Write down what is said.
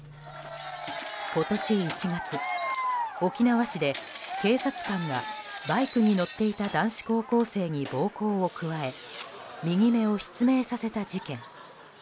今年１月、沖縄市で、警察官がバイクに乗っていた男子高校生に暴行を加え右目を失明させた事件。